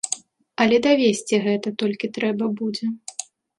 Але давесці гэта толькі трэба будзе.